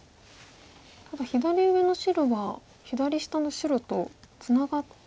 ただ左上の白は左下の白とツナがってきましたか？